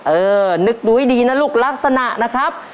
เออนึกดูให้ดีนะลูกลักษณะนะครับ